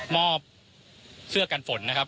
อบเสื้อกันฝนนะครับ